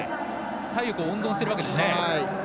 体力を温存しているわけですね。